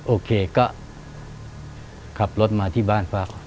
โอเคก็ขับรถมาที่บ้านป้า